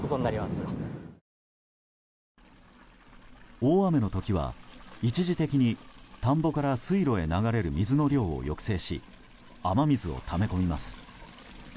大雨の時は一時的に田んぼから水路へ流れる水の量を抑制し雨水をため込みます。